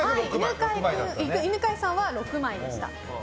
犬飼さんは６枚でした。